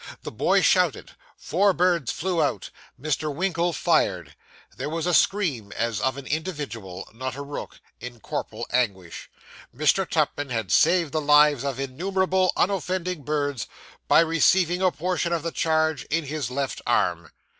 The boy shouted; four birds flew out. Mr. Winkle fired. There was a scream as of an individual not a rook in corporal anguish. Mr. Tupman had saved the lives of innumerable unoffending birds by receiving a portion of the charge in his left arm.